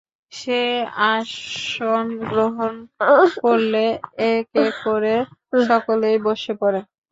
সে আসন গ্রহণ করলে এক এক করে সকলেই বসে পড়ে।